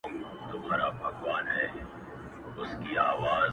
چي زر چیغي وي یو ستونی زر لاسونه یو لستوڼی -